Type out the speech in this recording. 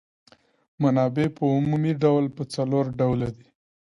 منابع په عمومي ډول په څلور ډوله دي.